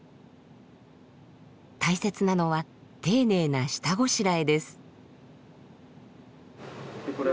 大切なのは丁寧な下ごしらえです。